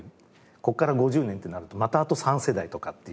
ここから５０年ってなるとまたあと３世代とかっていう。